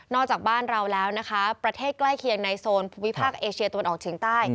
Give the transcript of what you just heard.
จากบ้านเราแล้วนะคะประเทศใกล้เคียงในโซนภูมิภาคเอเชียตะวันออกเฉียงใต้